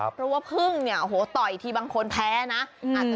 เพราะว่าพึ่งเนี่ยโอ้โหต่อยทีบางคนแพ้นะ